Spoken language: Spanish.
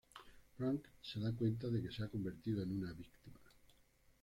Frank se da cuenta de que se ha convertido en una víctima.